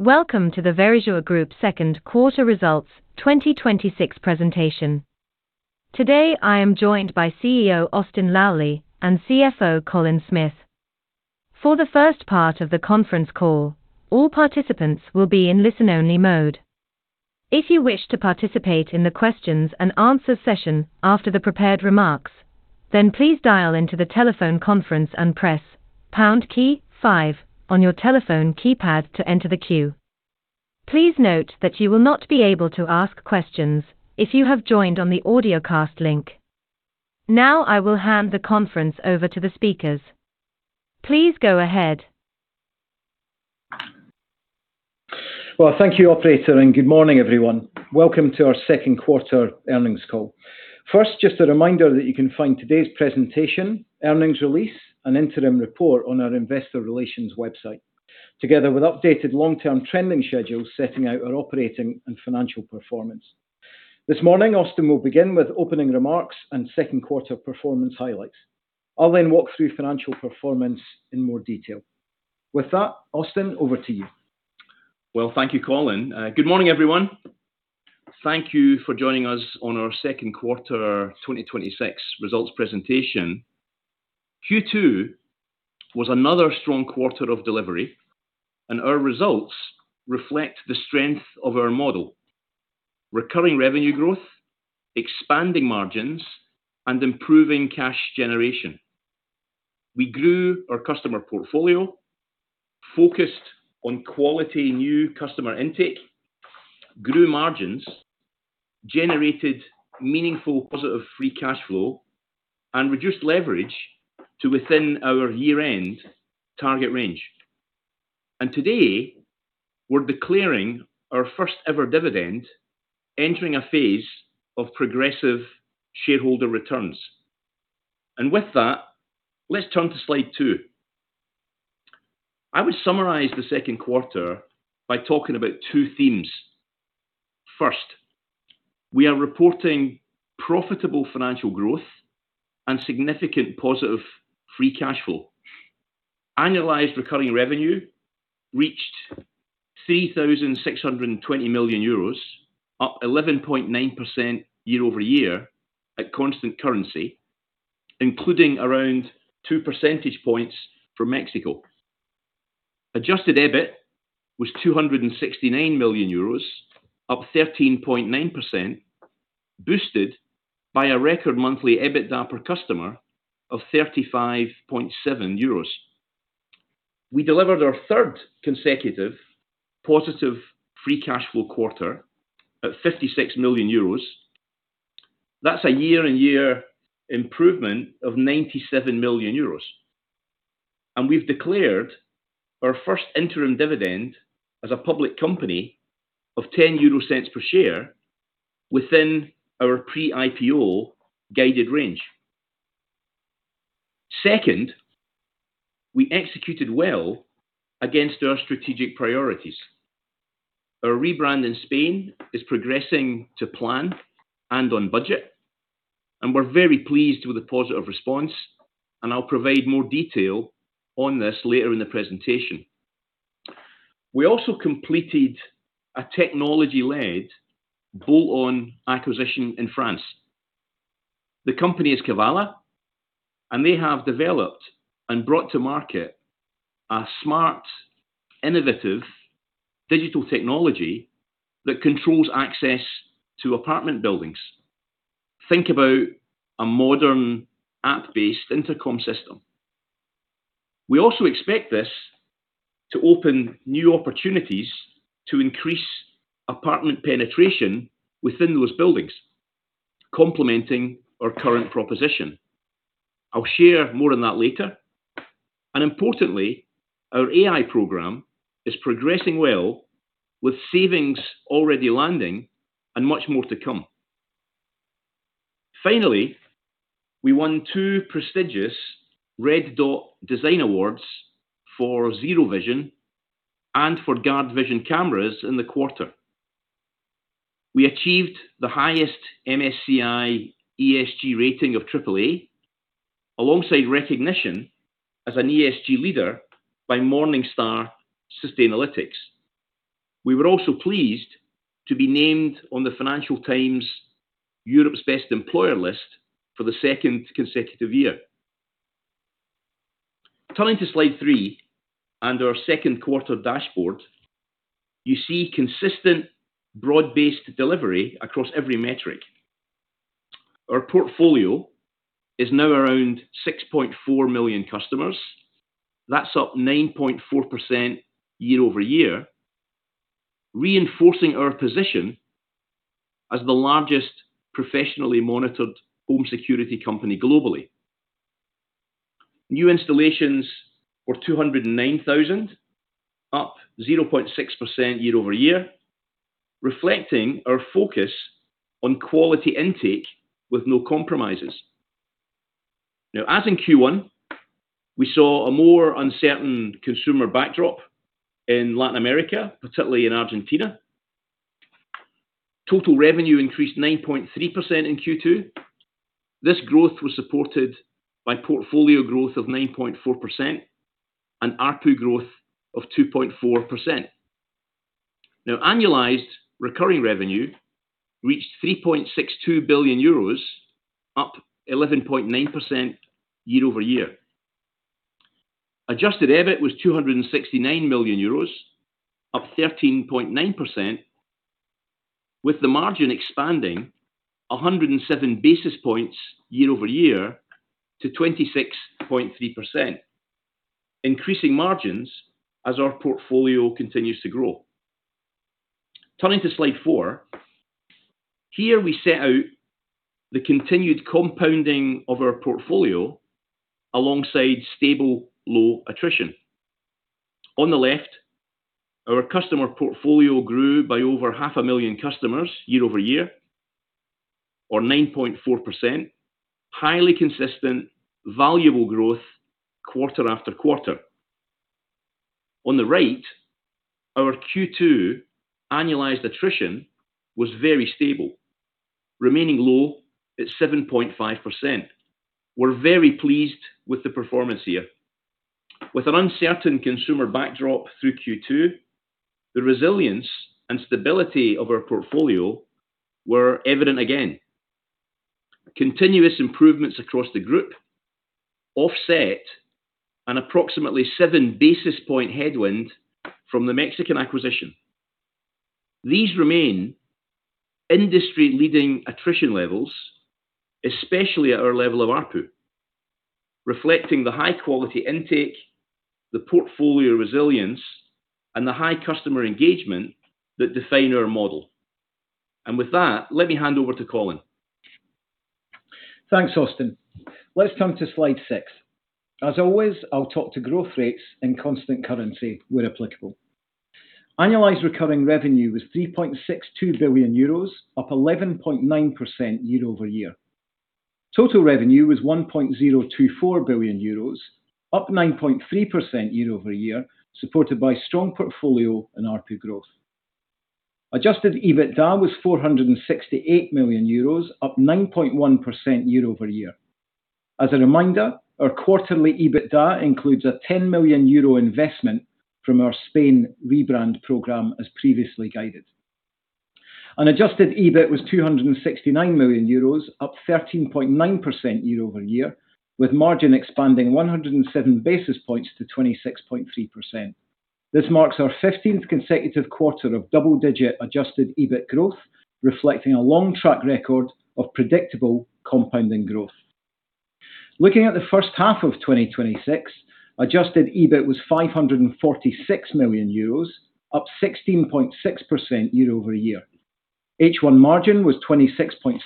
Welcome to the Verisure Group second quarter results 2026 presentation. Today, I am joined by CEO Austin Lally and CFO Colin Smith. For the first part of the conference call, all participants will be in listen-only mode. If you wish to participate in the questions and answers session after the prepared remarks, then please dial into the telephone conference and press pound key five on your telephone keypad to enter the queue. Please note that you will not be able to ask questions if you have joined on the audiocast link. Now I will hand the conference over to the speakers. Please go ahead. Well, thank you, operator. Good morning, everyone. Welcome to our second-quarter earnings call. First, just a reminder that you can find today's presentation, earnings release, and interim report on our investor relations website together with updated long-term trending schedules setting out our operating and financial performance. This morning, Austin will begin with opening remarks and second-quarter performance highlights. I will walk through financial performance in more detail. With that, Austin, over to you. Well, thank you, Colin. Good morning, everyone. Thank you for joining us on our second quarter 2026 results presentation. Q2 was another strong quarter of delivery. Our results reflect the strength of our model, recurring revenue growth, expanding margins, and improving cash generation. We grew our customer portfolio, focused on quality new customer intake, grew margins, generated meaningful positive free cash flow, and reduced leverage to within our year-end target range. Today, we're declaring our first-ever dividend, entering a phase of progressive shareholder returns. With that, let's turn to slide two. I would summarize the second quarter by talking about two themes. First, we are reporting profitable financial growth and significant positive free cash flow. Annualized recurring revenue reached 3,620 million euros, up 11.9% year-over-year at constant currency, including around 2 percentage points from Mexico. Adjusted EBIT was 269 million euros, up 13.9%, boosted by a record monthly EBITDA per customer of 35.7 euros. We delivered our third consecutive positive free cash flow quarter at 56 million euros. That's a year-on-year improvement of 97 million euros. We've declared our first interim dividend as a public company of 0.10 per share within our pre-IPO guided range. Second, we executed well against our strategic priorities. Our rebrand in Spain is progressing to plan and on budget. We're very pleased with the positive response. I'll provide more detail on this later in the presentation. We also completed a technology-led bolt-on acquisition in France. The company is Kivala. They have developed and brought to market a smart, innovative digital technology that controls access to apartment buildings. Think about a modern app-based intercom system. We also expect this to open new opportunities to increase apartment penetration within those buildings, complementing our current proposition. I'll share more on that later. Importantly, our AI program is progressing well with savings already landing and much more to come. Finally, we won two prestigious Red Dot Design Awards for ZeroVision and for GuardVision cameras in the quarter. We achieved the highest MSCI ESG rating of AAA, alongside recognition as an ESG leader by Morningstar Sustainalytics. We were also pleased to be named on the Financial Times Europe's Best Employer list for the second consecutive year. Turning to slide three and our second quarter dashboard, you see consistent broad-based delivery across every metric. Our portfolio is now around 6.4 million customers. That's up 9.4% year-over-year, reinforcing our position as the largest professionally monitored home security company globally. New installations were 209,000, up 0.6% year-over-year, reflecting our focus on quality intake with no compromises. As in Q1, we saw a more uncertain consumer backdrop in Latin America, particularly in Argentina. Total revenue increased 9.3% in Q2. This growth was supported by portfolio growth of 9.4% and ARPU growth of 2.4%. Annualized recurring revenue reached 3.62 billion euros, up 11.9% year-over-year. Adjusted EBIT was 269 million euros, up 13.9%, with the margin expanding 107 basis points year-over-year to 26.3%, increasing margins as our portfolio continues to grow. Turning to slide four. Here we set out the continued compounding of our portfolio alongside stable low attrition. On the left, our customer portfolio grew by over half a million customers year-over-year, or 9.4%. Highly consistent, valuable growth quarter after quarter. On the right, our Q2 annualized attrition was very stable, remaining low at 7.5%. We're very pleased with the performance here. With an uncertain consumer backdrop through Q2, the resilience and stability of our portfolio were evident again. Continuous improvements across the group offset an approximately 7 basis point headwind from the Mexican acquisition. These remain industry-leading attrition levels, especially at our level of ARPU, reflecting the high-quality intake, the portfolio resilience, and the high customer engagement that define our model. With that, let me hand over to Colin. Thanks, Austin. Let's come to slide six. As always, I'll talk to growth rates in constant currency where applicable. Annualized recurring revenue was 3.62 billion euros, up 11.9% year-over-year. Total revenue was 1.024 billion euros, up 9.3% year-over-year, supported by strong portfolio and ARPU growth. Adjusted EBITDA was 468 million euros, up 9.1% year-over-year. As a reminder, our quarterly EBITDA includes a 10 million euro investment from our Spain rebrand program, as previously guided. Adjusted EBIT was 269 million euros, up 13.9% year-over-year, with margin expanding 107 basis points to 26.3%. This marks our 15th consecutive quarter of double-digit adjusted EBIT growth, reflecting a long-track record of predictable compounding growth. Looking at the first half of 2026, adjusted EBIT was 546 million euros, up 16.6% year-over-year. H1 margin was 26.7%,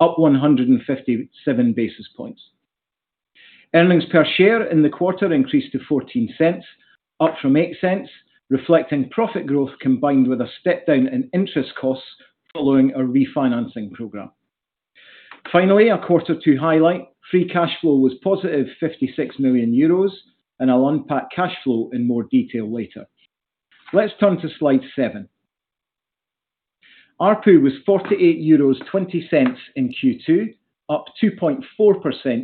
up 157 basis points. Earnings per share in the quarter increased to 0.14, up from 0.08, reflecting profit growth combined with a step-down in interest costs following a refinancing program. Finally, a quarter two highlight. Free cash flow was positive 56 million euros, and I'll unpack cash flow in more detail later. Let's turn to slide seven. ARPU was 48.20 euros in Q2, up 2.4%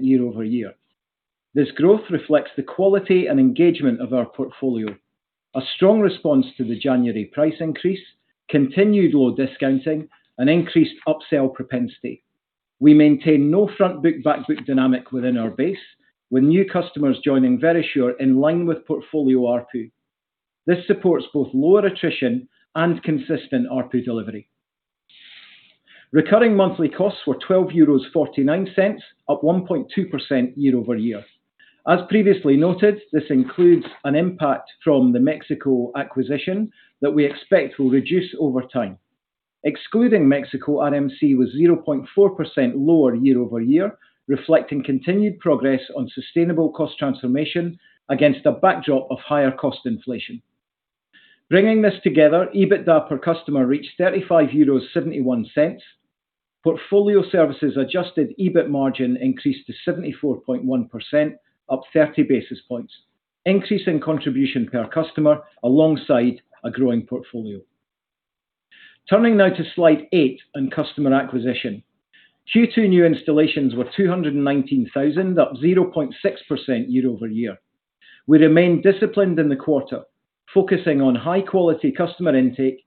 year-over-year. This growth reflects the quality and engagement of our portfolio. A strong response to the January price increase, continued low discounting, and increased upsell propensity. We maintain no frontbook-backbook dynamic within our base, with new customers joining Verisure in line with portfolio ARPU. This supports both lower attrition and consistent ARPU delivery. Recurring monthly costs were 12.49 euros, up 1.2% year-over-year. As previously noted, this includes an impact from the Mexico acquisition that we expect will reduce over time. Excluding Mexico, RMC was 0.4% lower year-over-year, reflecting continued progress on sustainable cost transformation against a backdrop of higher cost inflation. Bringing this together, EBITDA per customer reached 35.71 euros. Portfolio services adjusted EBIT margin increased to 74.1%, up 30 basis points, increasing contribution per customer alongside a growing portfolio. Turning now to slide eight on customer acquisition. Q2 new installations were 219,000, up 0.6% year-over-year. We remain disciplined in the quarter, focusing on high-quality customer intake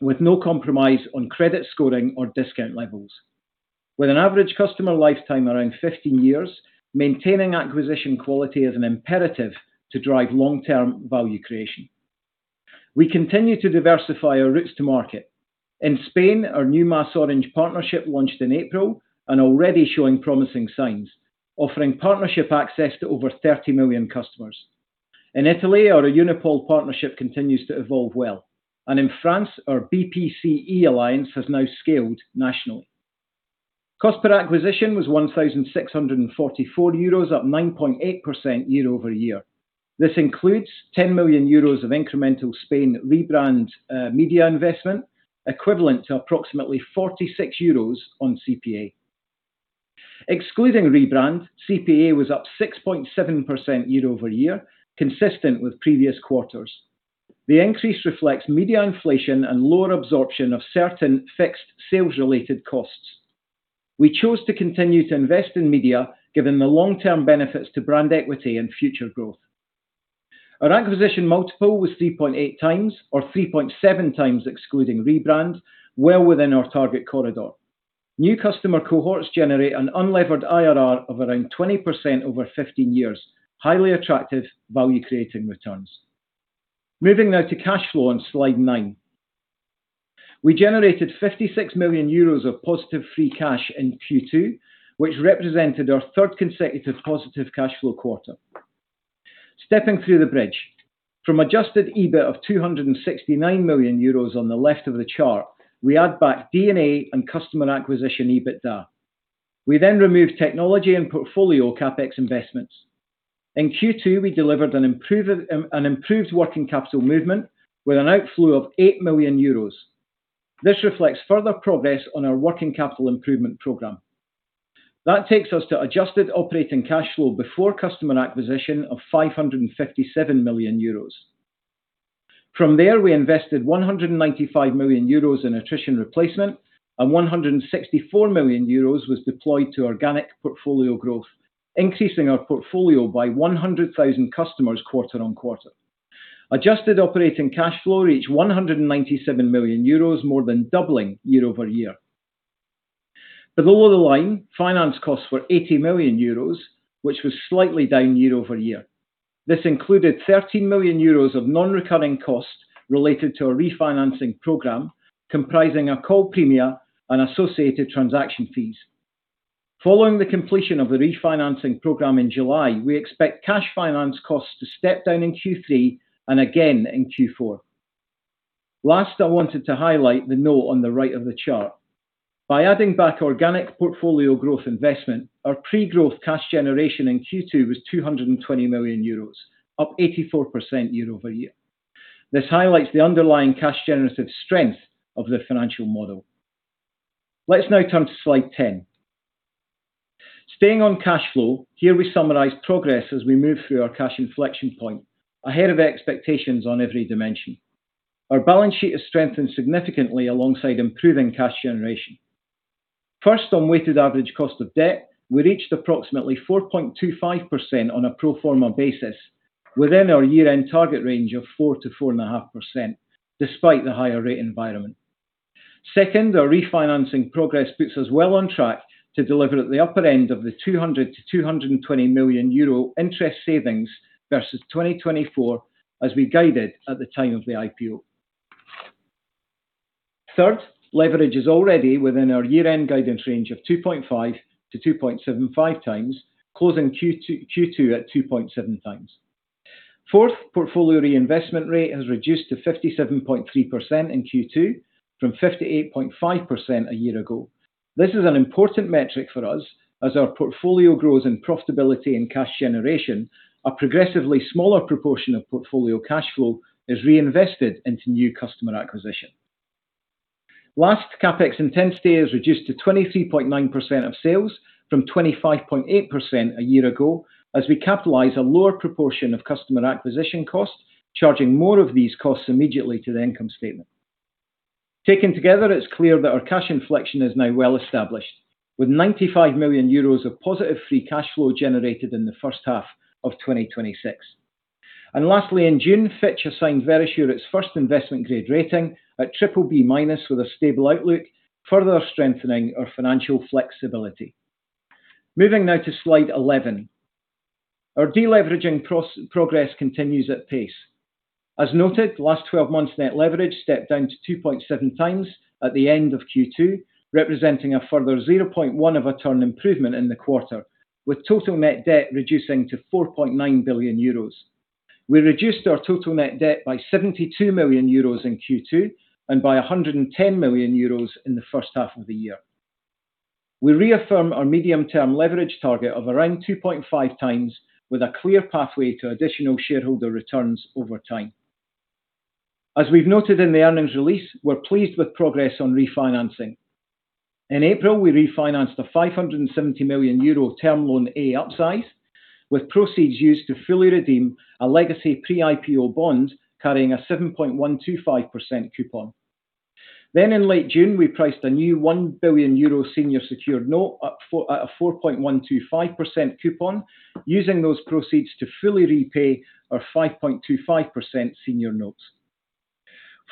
with no compromise on credit scoring or discount levels. With an average customer lifetime around 15 years, maintaining acquisition quality is an imperative to drive long-term value creation. We continue to diversify our routes to market. In Spain, our new MasOrange partnership launched in April and already showing promising signs, offering partnership access to over 30 million customers. In Italy, our Unipol partnership continues to evolve well, and in France, our BPCE alliance has now scaled nationally. Cost per acquisition was 1,644 euros, up 9.8% year-over-year. This includes 10 million euros of incremental Spain rebrand media investment, equivalent to approximately 46 euros on CPA. Excluding rebrand, CPA was up 6.7% year-over-year, consistent with previous quarters. The increase reflects media inflation and lower absorption of certain fixed sales-related costs. We chose to continue to invest in media, given the long-term benefits to brand equity and future growth. Our acquisition multiple was 3.8x or 3.7x excluding rebrand, well within our target corridor. New customer cohorts generate an unlevered IRR of around 20% over 15 years, highly attractive value-creating returns. Moving now to cash flow on slide nine. We generated 56 million euros of positive free cash in Q2, which represented our third consecutive positive cash flow quarter. Stepping through the bridge. From adjusted EBIT of 269 million euros on the left of the chart, we add back D&A and customer acquisition EBITDA. We then remove technology and portfolio CapEx investments. In Q2, we delivered an improved working capital movement with an outflow of 8 million euros. This reflects further progress on our working capital improvement program. That takes us to adjusted operating cash flow before customer acquisition of 557 million euros. From there, we invested 195 million euros in attrition replacement, and 164 million euros was deployed to organic portfolio growth, increasing our portfolio by 100,000 customers quarter-on-quarter. Adjusted operating cash flow reached 197 million euros, more than doubling year-over-year. Below the line, finance costs were 80 million euros, which was slightly down year-over-year. This included 13 million euros of non-recurring costs related to a refinancing program comprising a call premia and associated transaction fees. Following the completion of the refinancing program in July, we expect cash finance costs to step down in Q3 and again in Q4. Last, I wanted to highlight the note on the right of the chart. By adding back organic portfolio growth investment, our pre-growth cash generation in Q2 was 220 million euros, up 84% year-over-year. This highlights the underlying cash generative strength of the financial model. Let's now turn to slide 10. Staying on cash flow, here we summarize progress as we move through our cash inflection point, ahead of expectations on every dimension. Our balance sheet has strengthened significantly alongside improving cash generation. First, on weighted average cost of debt, we reached approximately 4.25% on a pro forma basis within our year-end target range of 4%-4.5%, despite the higher rate environment. Second, our refinancing progress puts us well on track to deliver at the upper end of the 200 million-220 million euro interest savings versus 2024, as we guided at the time of the IPO. Third, leverage is already within our year-end guidance range of 2.5x-2.75x, closing Q2 at 2.7x. Fourth, portfolio reinvestment rate has reduced to 57.3% in Q2 from 58.5% a year ago. This is an important metric for us as our portfolio grows in profitability and cash generation, a progressively smaller proportion of portfolio cash flow is reinvested into new customer acquisition. Last, CapEx intensity is reduced to 23.9% of sales from 25.8% a year ago, as we capitalize a lower proportion of customer acquisition costs, charging more of these costs immediately to the income statement. Taken together, it's clear that our cash inflection is now well established, with 95 million euros of positive free cash flow generated in the first half of 2026. Lastly, in June, Fitch assigned Verisure its first investment-grade rating at BBB- with a stable outlook, further strengthening our financial flexibility. Moving now to slide 11. Our deleveraging progress continues at pace. As noted, last 12 months net leverage stepped down to 2.7x at the end of Q2, representing a further 0.1 of a turn improvement in the quarter, with total net debt reducing to 4.9 billion euros. We reduced our total net debt by 72 million euros in Q2 and by 110 million euros in the first half of the year. We reaffirm our medium-term leverage target of around 2.5x, with a clear pathway to additional shareholder returns over time. As we've noted in the earnings release, we're pleased with progress on refinancing. In April, we refinanced a 570 million euro Term Loan A upsize, with proceeds used to fully redeem a legacy pre-IPO bond carrying a 7.125% coupon. In late June, we priced a new 1 billion euro senior secured note at a 4.125% coupon, using those proceeds to fully repay our 5.25% senior notes.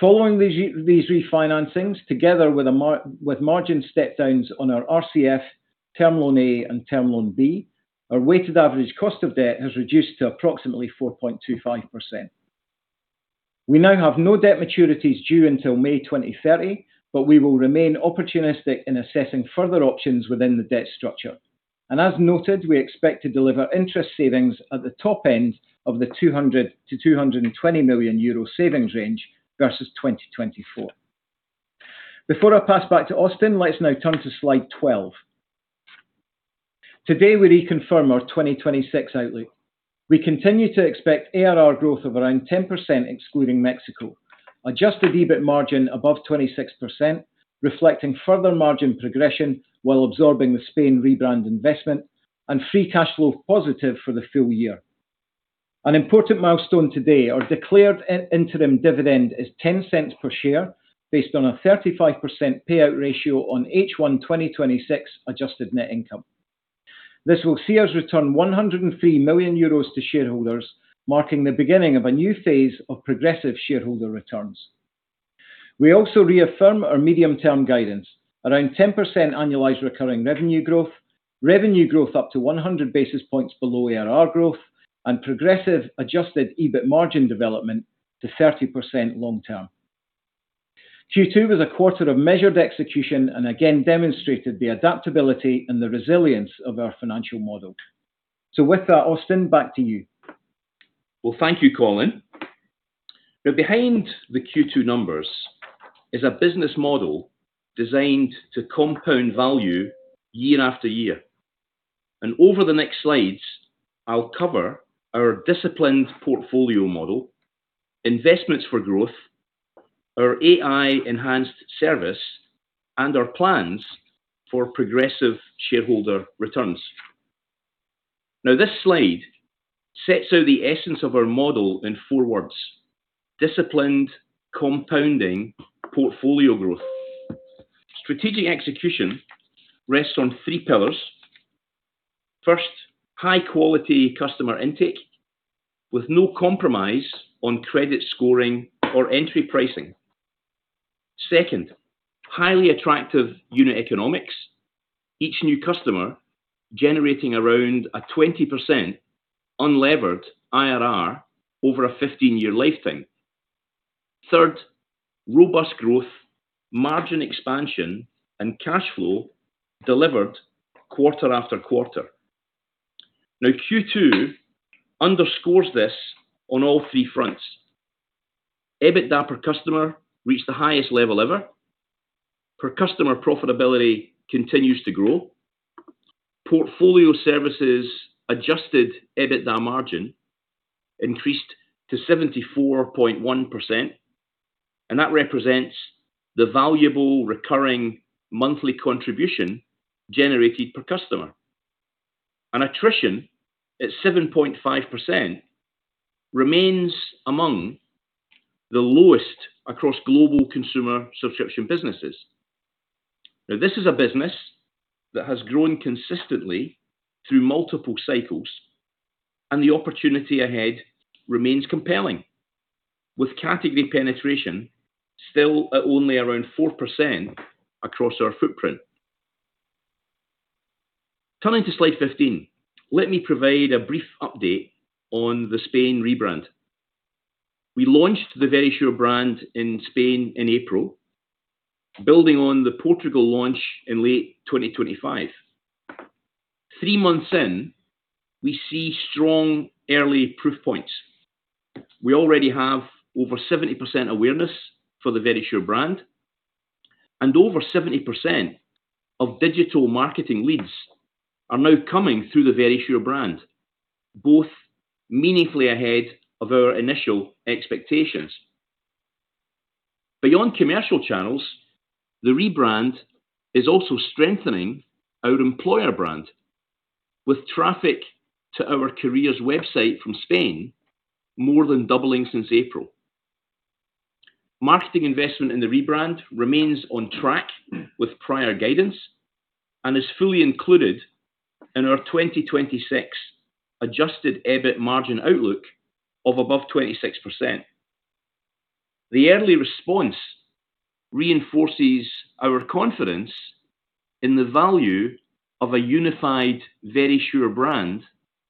Following these refinancings, together with margin step downs on our RCF, Term Loan A, and Term Loan B, our weighted average cost of debt has reduced to approximately 4.25%. We now have no debt maturities due until May 2030, but we will remain opportunistic in assessing further options within the debt structure. As noted, we expect to deliver interest savings at the top end of the 200 million-220 million euro savings range versus 2024. Before I pass back to Austin, let's now turn to slide 12. Today, we reconfirm our 2026 outlook. We continue to expect ARR growth of around 10%, excluding Mexico. Adjusted EBIT margin above 26%, reflecting further margin progression while absorbing the Spain rebrand investment, and free cash flow positive for the full year. An important milestone today, our declared interim dividend is 0.10 per share based on a 35% payout ratio on H1 2026 adjusted net income. This will see us return 103 million euros to shareholders, marking the beginning of a new phase of progressive shareholder returns. We also reaffirm our medium-term guidance, around 10% annualized recurring revenue growth, revenue growth up to 100 basis points below ARR growth, and progressive adjusted EBIT margin development to 30% long term. Q2 was a quarter of measured execution and again demonstrated the adaptability and the resilience of our financial model. With that, Austin, back to you. Well, thank you, Colin. Behind the Q2 numbers is a business model designed to compound value year after year. Over the next slides, I'll cover our disciplined portfolio model, investments for growth, our AI-enhanced service, and our plans for progressive shareholder returns. This slide sets out the essence of our model in four words: disciplined, compounding, portfolio growth. Strategic execution rests on three pillars. First, high-quality customer intake with no compromise on credit scoring or entry pricing. Second, highly attractive unit economics, each new customer generating around a 20% unlevered IRR over a 15-year lifetime. Third, robust growth, margin expansion, and cash flow delivered quarter after quarter. Q2 underscores this on all three fronts. EBITDA per customer reached the highest level ever. Per customer profitability continues to grow. Portfolio services adjusted EBITDA margin increased to 74.1%, That represents the valuable recurring monthly contribution generated per customer. Attrition at 7.5% remains among the lowest across global consumer subscription businesses. This is a business that has grown consistently through multiple cycles, and the opportunity ahead remains compelling with category penetration still at only around 4% across our footprint. Turning to slide 15, let me provide a brief update on the Spain rebrand. We launched the Verisure brand in Spain in April, building on the Portugal launch in late 2025. Three months in, we see strong early proof points. We already have over 70% awareness for the Verisure brand, and over 70% of digital marketing leads are now coming through the Verisure brand, both meaningfully ahead of our initial expectations. Beyond commercial channels, the rebrand is also strengthening our employer brand, with traffic to our careers website from Spain more than doubling since April. Marketing investment in the rebrand remains on track with prior guidance and is fully included in our 2026 adjusted EBIT margin outlook of above 26%. The early response reinforces our confidence in the value of a unified Verisure brand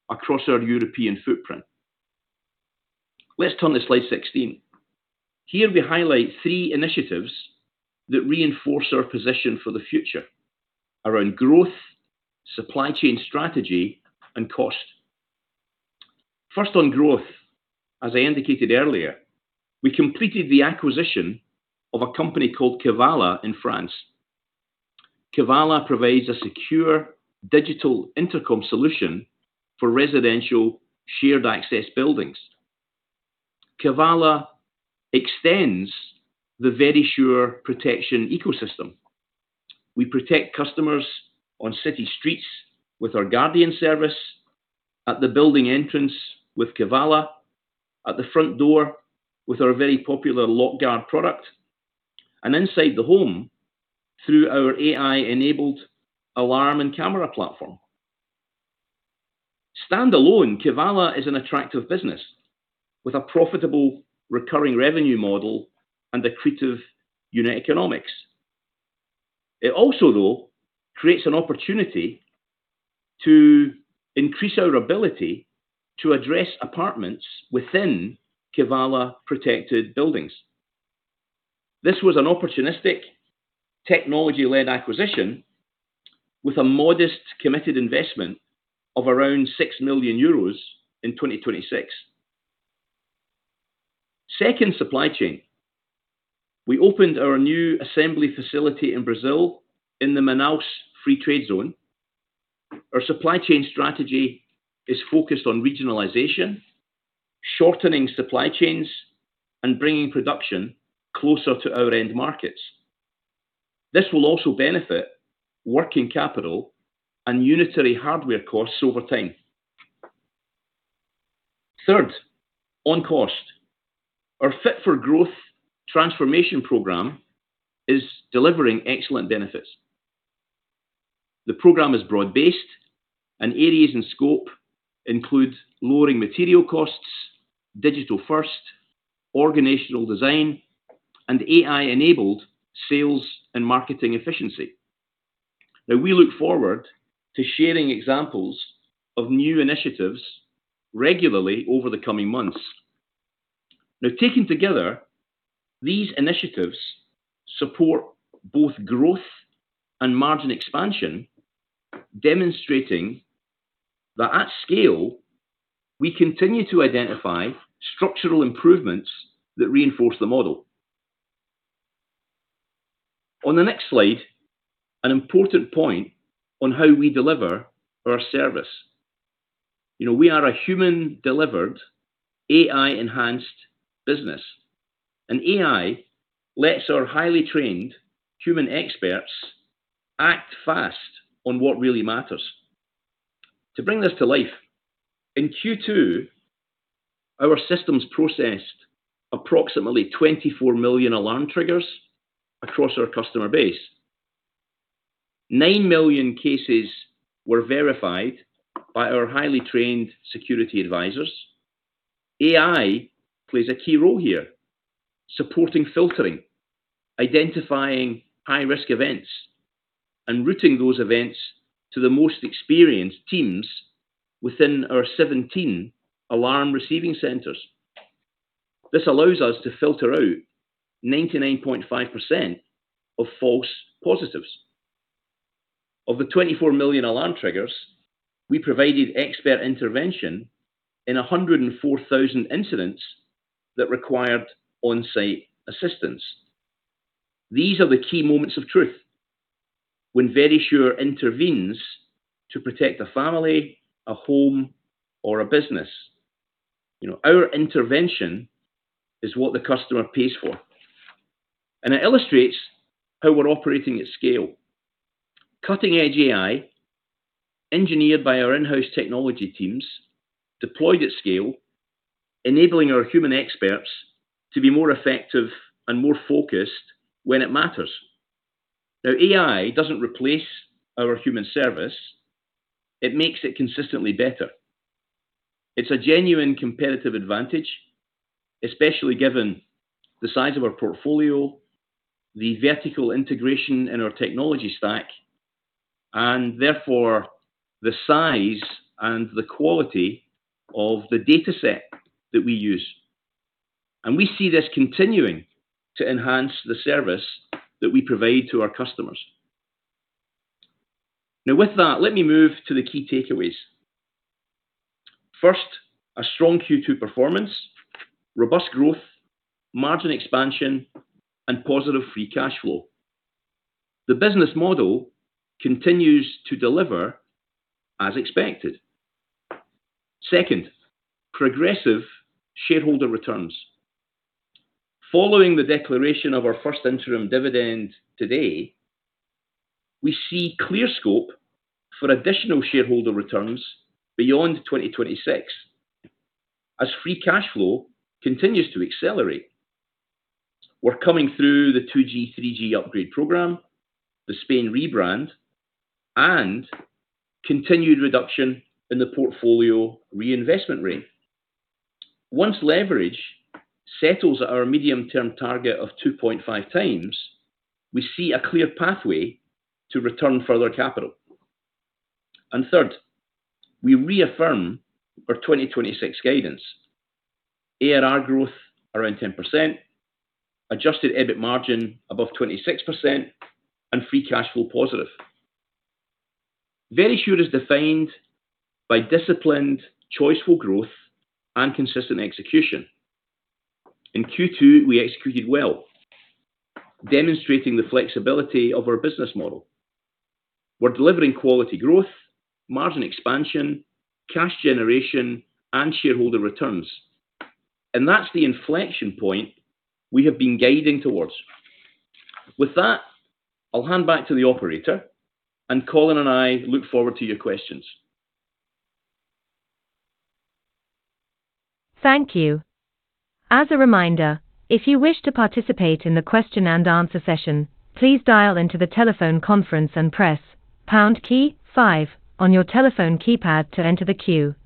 across our European footprint. Let's turn to slide 16. Here we highlight three initiatives that reinforce our position for the future around growth, supply chain strategy, and cost. First, on growth, as I indicated earlier, we completed the acquisition of a company called Kivala in France. Kivala provides a secure digital intercom solution for residential shared access buildings. Kivala extends the Verisure protection ecosystem. We protect customers on city streets with our Guardian service, at the building entrance with Kivala, at the front door with our very popular LockGuard product, and inside the home through our AI-enabled alarm and camera platform. Standalone, Kivala is an attractive business with a profitable recurring revenue model and accretive unit economics. It also, though, creates an opportunity to increase our ability to address apartments within Kivala-protected buildings. This was an opportunistic technology-led acquisition with a modest committed investment of around 6 million euros in 2026. Second, supply chain. We opened our new assembly facility in Brazil in the Manaus Free Trade Zone. Our supply chain strategy is focused on regionalization, shortening supply chains, and bringing production closer to our end markets. This will also benefit working capital and unitary hardware costs over time. Third, on cost. Our Fit for Growth transformation program is delivering excellent benefits. The program is broad-based, and areas in scope include lowering material costs, digital-first, organizational design, and AI-enabled sales and marketing efficiency. We look forward to sharing examples of new initiatives regularly over the coming months. Taken together, these initiatives support both growth and margin expansion, demonstrating that at scale, we continue to identify structural improvements that reinforce the model. On the next slide, an important point on how we deliver our service. We are a human-delivered, AI-enhanced business. An AI lets our highly trained human experts act fast on what really matters. To bring this to life, in Q2, our systems processed approximately 24 million alarm triggers across our customer base. 9 million cases were verified by our highly trained security advisors. AI plays a key role here, supporting filtering, identifying high-risk events, and routing those events to the most experienced teams within our 17 alarm receiving centers. This allows us to filter out 99.5% of false positives. Of the 24 million alarm triggers, we provided expert intervention in 104,000 incidents that required on-site assistance. These are the key moments of truth when Verisure intervenes to protect a family, a home, or a business. Our intervention is what the customer pays for. It illustrates how we're operating at scale. Cutting-edge AI, engineered by our in-house technology teams, deployed at scale, enabling our human experts to be more effective and more focused when it matters. AI doesn't replace our human service. It makes it consistently better. It's a genuine competitive advantage, especially given the size of our portfolio, the vertical integration in our technology stack, and therefore the size and the quality of the dataset that we use. We see this continuing to enhance the service that we provide to our customers. Now with that, let me move to the key takeaways. First, a strong Q2 performance, robust growth, margin expansion, and positive free cash flow. The business model continues to deliver as expected. Second, progressive shareholder returns. Following the declaration of our first interim dividend today, we see clear scope for additional shareholder returns beyond 2026 as free cash flow continues to accelerate. We're coming through the 2G/3G upgrade program, the Spain rebrand, and continued reduction in the portfolio reinvestment rate. Once leverage settles at our medium-term target of 2.5x, we see a clear pathway to return further capital. Third, we reaffirm our 2026 guidance. ARR growth around 10%, adjusted EBIT margin above 26%, and free cash flow positive. Verisure is defined by disciplined, choiceful growth, and consistent execution. In Q2, we executed well, demonstrating the flexibility of our business model. We're delivering quality growth, margin expansion, cash generation, and shareholder returns, and that's the inflection point we have been guiding towards. With that, I'll hand back to the operator, and Colin and I look forward to your questions. Thank you. As a reminder, if you wish to participate in the question-and-answer session, please dial into the telephone conference and press pound key five on your telephone keypad to enter the queue.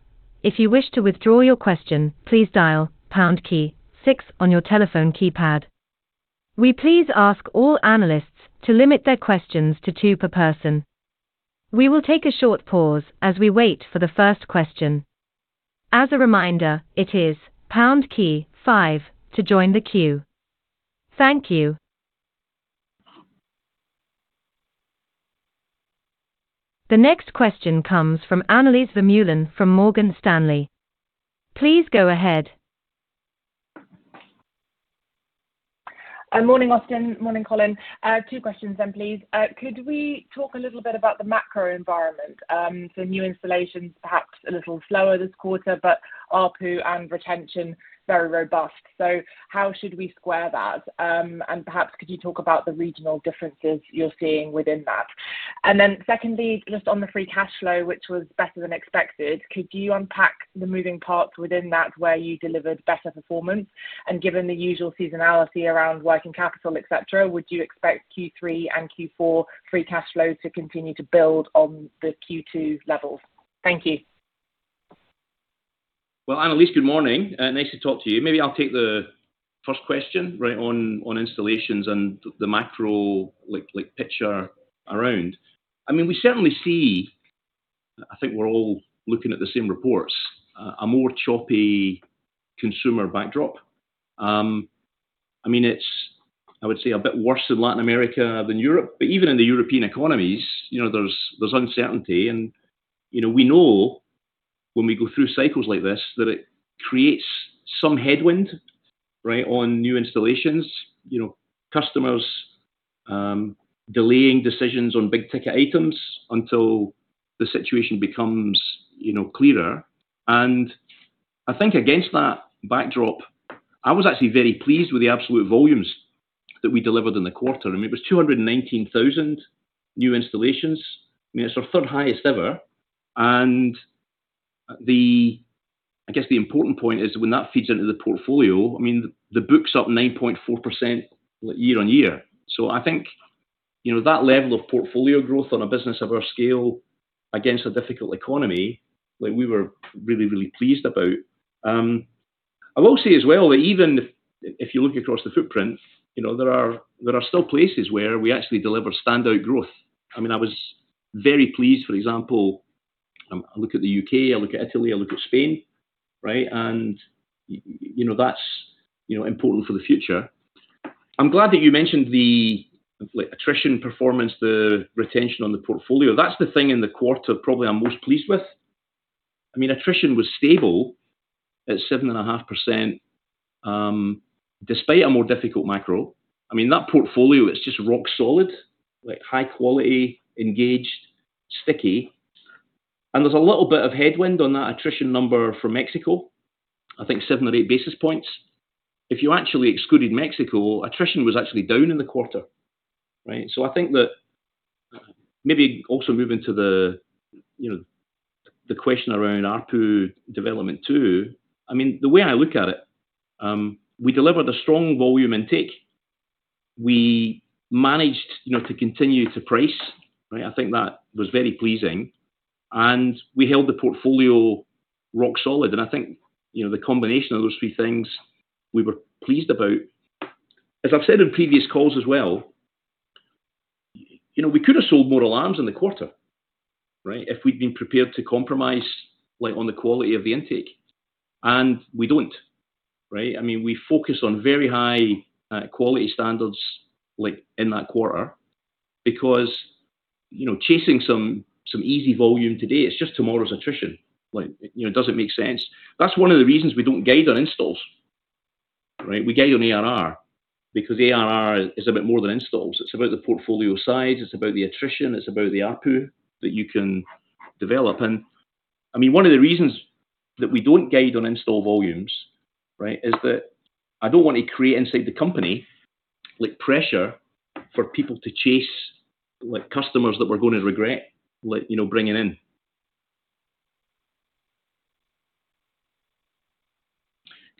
If you wish to withdraw your question, please dial pound key six on your telephone keypad. We please ask all analysts to limit their questions to two per person. We will take a short pause as we wait for the first question. As a reminder, it is pound key five to join the queue. Thank you. The next question comes from Annelies Vermeulen from Morgan Stanley. Please go ahead. Morning, Austin. Morning, Colin. Two questions, please. Could we talk a little bit about the macro environment? New installations perhaps a little slower this quarter, but ARPU and retention, very robust. Perhaps could you talk about the regional differences you're seeing within that? Secondly, just on the free cash flow, which was better than expected, could you unpack the moving parts within that where you delivered better performance? Given the usual seasonality around working capital, et cetera, would you expect Q3 and Q4 free cash flow to continue to build on the Q2 levels? Thank you. Well, Annelies, good morning. Nice to talk to you. Maybe I'll take the first question, right on installations and the macro picture around. We certainly see, I think we're all looking at the same reports, a more choppy consumer backdrop. It's, I would say, a bit worse in Latin America than Europe. Even in the European economies, there's uncertainty and we know when we go through cycles like this, that it creates some headwind right on new installations. Customers delaying decisions on big-ticket items until the situation becomes clearer. I think against that backdrop, I was actually very pleased with the absolute volumes that we delivered in the quarter. It was 219,000 new installations. It's our third highest ever. I guess the important point is when that feeds into the portfolio, the book's up 9.4% year-over-year. I think, that level of portfolio growth on a business of our scale against a difficult economy, we were really pleased about. I will say as well that even if you look across the footprint, there are still places where we actually deliver standout growth. I was very pleased, for example, I look at the U.K., I look at Italy, I look at Spain, that's important for the future. I'm glad that you mentioned the attrition performance, the retention on the portfolio. That's the thing in the quarter probably I'm most pleased with. Attrition was stable at 7.5% despite a more difficult macro. That portfolio is just rock solid, high quality, engaged, sticky. There's a little bit of headwind on that attrition number for Mexico, I think 7 or 8 basis points. If you actually excluded Mexico, attrition was actually down in the quarter. I think that maybe also moving to the question around ARPU development too. The way I look at it, we delivered a strong volume intake. We managed to continue to price. I think that was very pleasing. We held the portfolio rock solid, I think the combination of those three things we were pleased about. As I've said in previous calls as well, we could have sold more alarms in the quarter if we'd been prepared to compromise on the quality of the intake, and we don't. We focused on very high quality standards in that quarter because chasing some easy volume today is just tomorrow's attrition. It doesn't make sense. That's one of the reasons we don't guide on installs. We guide on ARR is a bit more than installs. It's about the portfolio size, it's about the attrition, it's about the ARPU that you can develop. One of the reasons that we don't guide on install volumes is that I don't want to create inside the company pressure for people to chase customers that we're going to regret bringing in.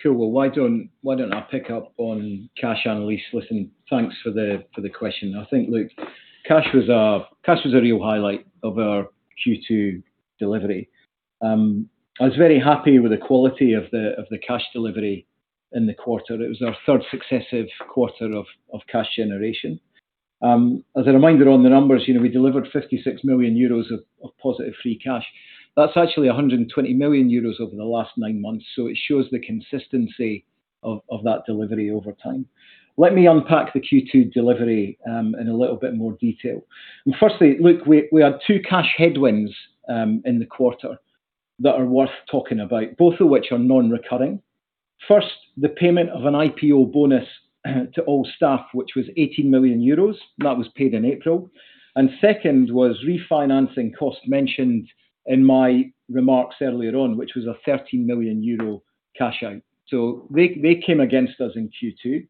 Well, why don't I pick up on cash, Annelies? Listen, thanks for the question. I think, look, cash was a real highlight of our Q2 delivery. I was very happy with the quality of the cash delivery in the quarter. It was our third successive quarter of cash generation. As a reminder on the numbers, we delivered 56 million euros of positive free cash. That's actually 120 million euros over the last nine months, so it shows the consistency of that delivery over time. Let me unpack the Q2 delivery in a little bit more detail. Firstly, look, we had two cash headwinds in the quarter that are worth talking about, both of which are non-recurring. First, the payment of an IPO bonus to all staff, which was 18 million euros. That was paid in April. Second was refinancing cost mentioned in my remarks earlier on, which was a 13 million euro cash out. They came against us in Q2.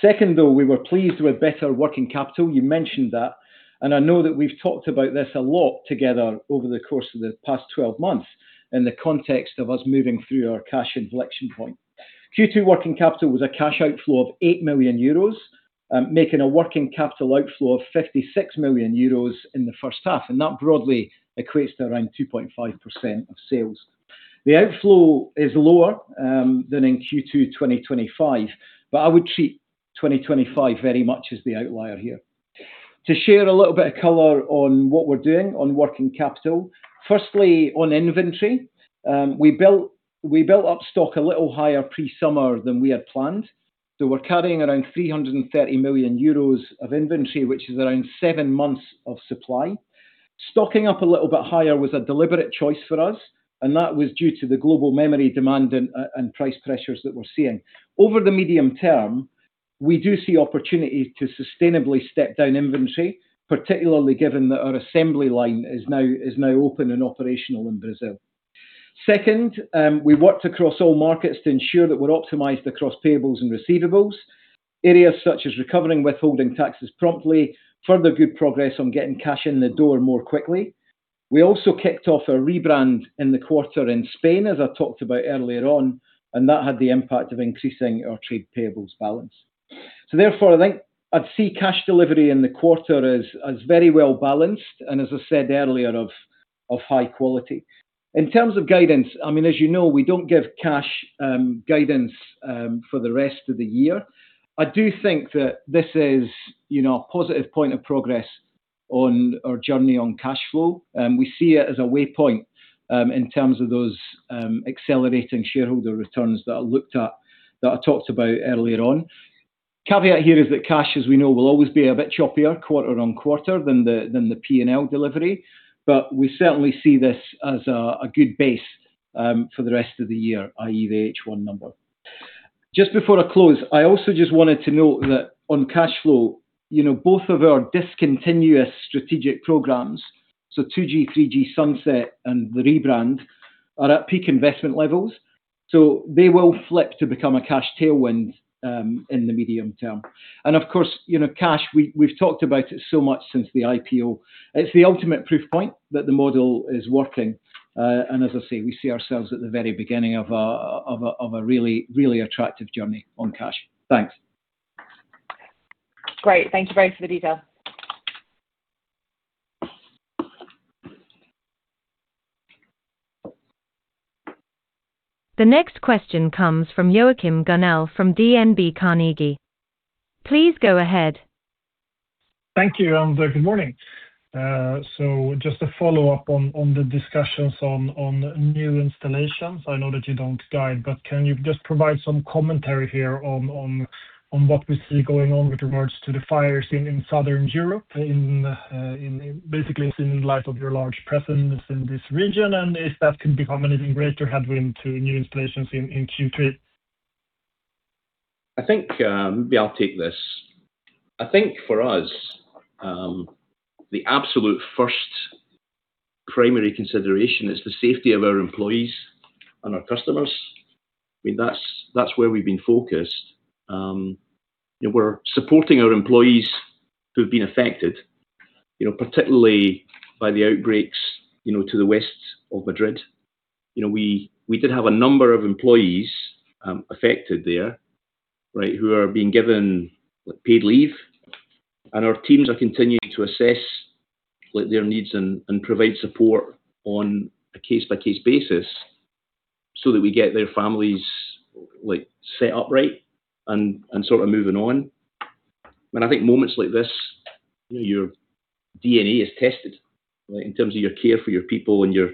Second, though, we were pleased with better working capital. You mentioned that, and I know that we've talked about this a lot together over the course of the past 12 months in the context of us moving through our cash inflection point. Q2 working capital was a cash outflow of 8 million euros, making a working capital outflow of 56 million euros in the first half, and that broadly equates to around 2.5% of sales. The outflow is lower than in Q2 2025, but I would treat 2025 very much as the outlier here. To share a little bit of color on what we're doing on working capital, firstly, on inventory, we built up stock a little higher pre-summer than we had planned. We're carrying around 330 million euros of inventory, which is around seven months of supply. Stocking up a little bit higher was a deliberate choice for us, and that was due to the global memory demand and price pressures that we're seeing. Over the medium term, we do see opportunity to sustainably step down inventory, particularly given that our assembly line is now open and operational in Brazil. Second, we worked across all markets to ensure that we're optimized across payables and receivables. Areas such as recovering withholding taxes promptly, further good progress on getting cash in the door more quickly. We also kicked off a rebrand in the quarter in Spain, as I talked about earlier on, and that had the impact of increasing our trade payables balance. Therefore, I think I'd see cash delivery in the quarter as very well-balanced and, as I said earlier, of high quality. In terms of guidance, as you know, we don't give cash guidance for the rest of the year. I do think that this is a positive point of progress on our journey on cash flow. We see it as a way point in terms of those accelerating shareholder returns that I talked about earlier on. Caveat here is that cash, as we know, will always be a bit choppier quarter on quarter than the P&L delivery. We certainly see this as a good base for the rest of the year, i.e., the H1 number. Just before I close, I also just wanted to note that on cash flow, both of our discontinuous strategic programs, 2G, 3G sunset, and the rebrand are at peak investment levels, they will flip to become a cash tailwind in the medium term. Of course, cash, we've talked about it so much since the IPO. It's the ultimate proof point that the model is working. As I say, we see ourselves at the very beginning of a really attractive journey on cash. Thanks. Great. Thank you very much for the detail. The next question comes from Joachim Gunell from DNB Carnegie. Please go ahead. Thank you, good morning. Just a follow-up on the discussions on new installations. I know that you don't guide, can you just provide some commentary here on what we see going on with regards to the fires in southern Europe, basically in light of your large presence in this region, and if that can become anything greater headwind to new installations in Q3? I think, maybe I'll take this. I think for us, the absolute first primary consideration is the safety of our employees and our customers. That's where we've been focused. We're supporting our employees who've been affected, particularly by the outbreaks to the west of Madrid. We did have a number of employees affected there who are being given paid leave, and our teams are continuing to assess their needs and provide support on a case-by-case basis so that we get their families set up right and sort of moving on. I think moments like this, your DNA is tested in terms of your care for your people and your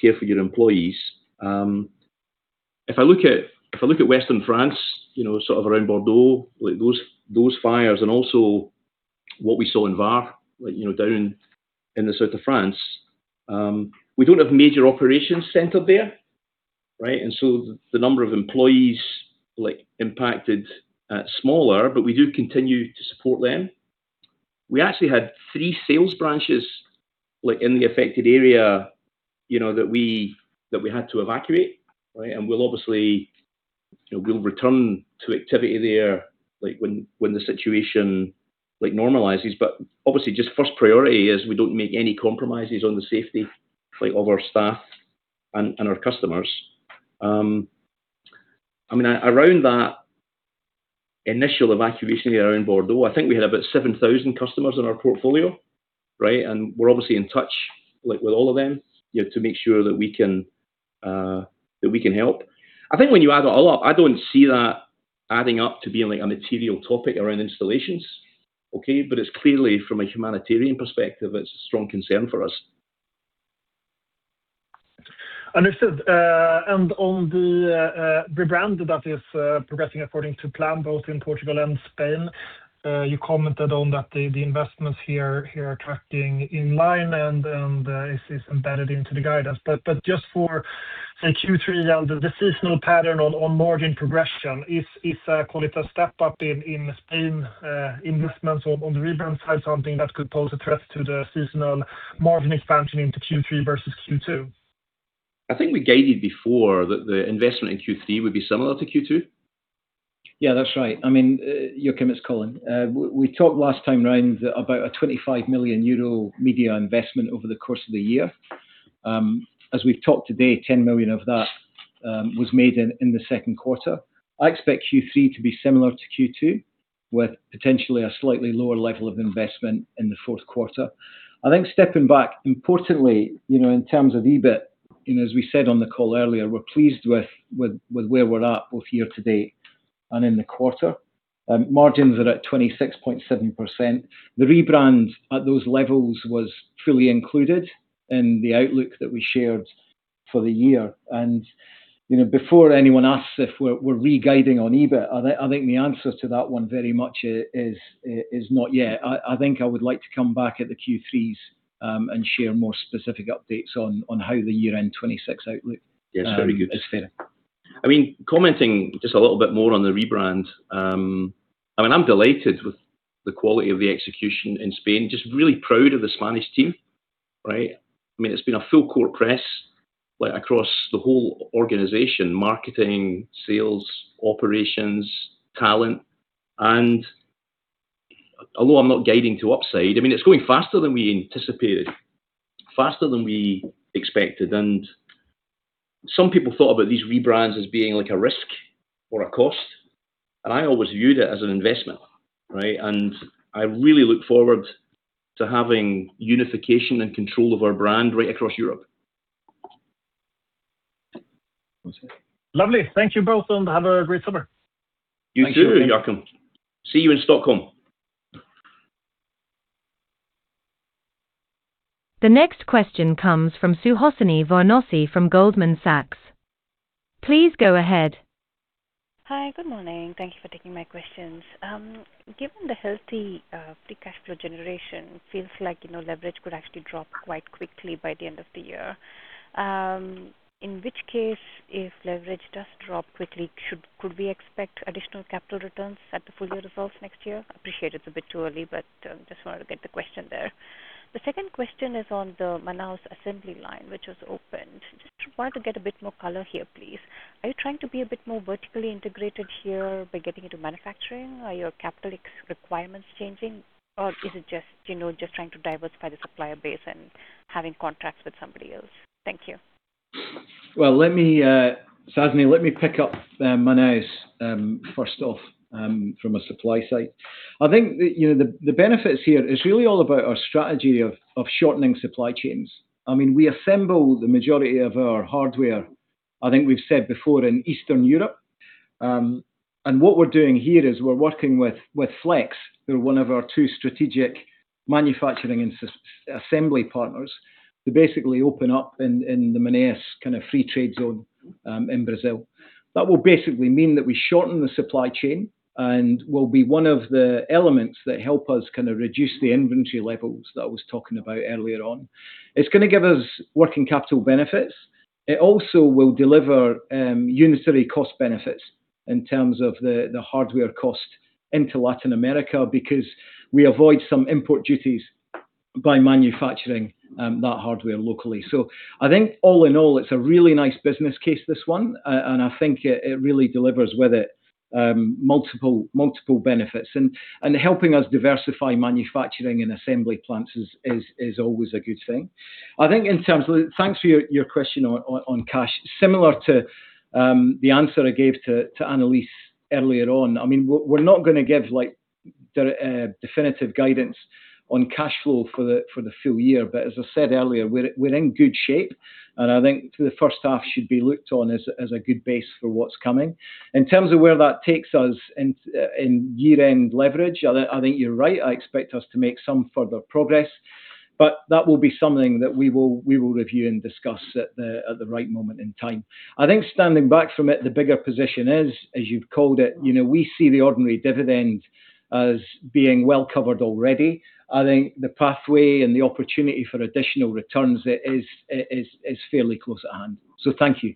care for your employees. If I look at Western France, sort of around Bordeaux, those fires and also what we saw in Var, down in the south of France, we don't have major operations centered there. The number of employees impacted is smaller, but we do continue to support them. We actually had three sales branches in the affected area that we had to evacuate. We'll return to activity there when the situation normalizes. But obviously just first priority is we don't make any compromises on the safety of our staff and our customers. Around that initial evacuation area around Bordeaux, I think we had about 7,000 customers in our portfolio. We're obviously in touch with all of them to make sure that we can help. I think when you add it all up, I don't see that adding up to being a material topic around installations. Okay? But it's clearly from a humanitarian perspective, it's a strong concern for us. Understood. On the rebrand that is progressing according to plan, both in Portugal and Spain, you commented on that the investments here are tracking in line and is embedded into the guidance. But just for, say, Q3 and the seasonal pattern on margin progression is, call it a step up in Spain investments on the rebrand side, something that could pose a threat to the seasonal margin expansion into Q3 versus Q2? I think we guided before that the investment in Q3 would be similar to Q2. Yeah, that's right. Joachim, it's Colin. We talked last time around about a 25 million euro media investment over the course of the year. As we've talked today, 10 million of that was made in the second quarter. I expect Q3 to be similar to Q2, with potentially a slightly lower level of investment in the fourth quarter. I think stepping back, importantly, in terms of EBIT, as we said on the call earlier, we're pleased with where we're at both year to date and in the quarter. Margins are at 26.7%. The rebrand at those levels was fully included in the outlook that we shared for the year. Before anyone asks if we're re-guiding on EBIT, I think the answer to that one very much is not yet. I think I would like to come back at the Q3s and share more specific updates on how the year-end 2026 outlook is fairing. Commenting just a little bit more on the rebrand. I'm delighted with the quality of the execution in Spain. Just really proud of the Spanish team. It's been a full-court press across the whole organization, marketing, sales, operations, talent. Although I'm not guiding to upside, it's going faster than we anticipated, faster than we expected. Some people thought about these rebrands as being a risk or a cost, and I always viewed it as an investment. I really look forward to having unification and control of our brand right across Europe. Lovely. Thank you both, and have a great summer. You too, Joachim. Thank you. See you in Stockholm. The next question comes from Suhasini Varanasi from Goldman Sachs. Please go ahead. Hi. Good morning. Thank you for taking my questions. Given the healthy free cash flow generation, feels like leverage could actually drop quite quickly by the end of the year. In which case, if leverage does drop quickly, could we expect additional capital returns at the full year results next year? Appreciate it's a bit too early, just wanted to get the question there. The second question is on the Manaus assembly line, which was opened. Just wanted to get a bit more color here, please. Are you trying to be a bit more vertically integrated here by getting into manufacturing? Are your capital requirements changing, or is it just trying to diversify the supplier base and having contracts with somebody else? Thank you. Suhasini, let me pick up Manaus first off, from a supply side. I think the benefits here, it's really all about our strategy of shortening supply chains. We assemble the majority of our hardware, I think we've said before, in Eastern Europe. What we're doing here is we're working with Flex. They're one of our two strategic manufacturing and assembly partners, to basically open up in the Manaus free trade zone in Brazil. That will basically mean that we shorten the supply chain and will be one of the elements that help us reduce the inventory levels that I was talking about earlier on. It's going to give us working capital benefits. It also will deliver unitary cost benefits in terms of the hardware cost into Latin America, because we avoid some import duties by manufacturing that hardware locally. I think all in all, it's a really nice business case, this one. I think it really delivers with it multiple benefits. Helping us diversify manufacturing and assembly plants is always a good thing. Thanks for your question on cash. Similar to the answer I gave to Annelies earlier on, we're not going to give definitive guidance on cash flow for the full year, but as I said earlier, we're in good shape, and I think the first half should be looked on as a good base for what's coming. In terms of where that takes us in year-end leverage, I think you're right. I expect us to make some further progress, but that will be something that we will review and discuss at the right moment in time. I think standing back from it, the bigger position is, as you've called it, we see the ordinary dividend as being well-covered already. I think the pathway and the opportunity for additional returns is fairly close at hand. Thank you.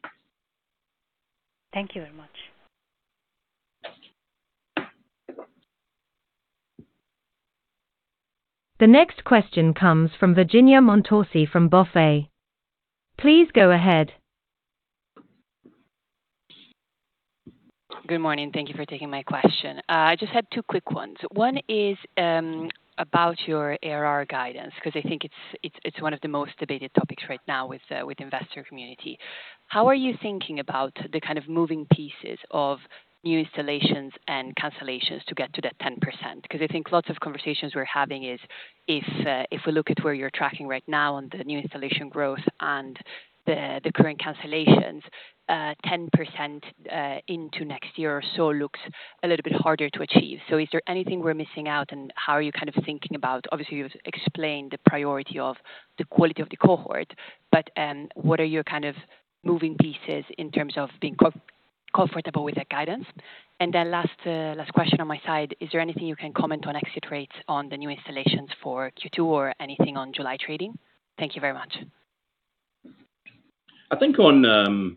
Thank you very much. The next question comes from Virginia Montorsi from BofA. Please go ahead. Good morning. Thank you for taking my question. I just had two quick ones. One is about your ARR guidance, because I think it's one of the most debated topics right now with the investor community. How are you thinking about the kind of moving pieces of new installations and cancellations to get to that 10%? Because I think lots of conversations we're having is, if we look at where you're tracking right now on the new installation growth and the current cancellations, 10% into next year or so looks a little bit harder to achieve. Is there anything we're missing out? Obviously, you've explained the priority of the quality of the cohort, but what are your kind of moving pieces in terms of being comfortable with that guidance? Last question on my side, is there anything you can comment on exit rates on the new installations for Q2 or anything on July trading? Thank you very much. I think in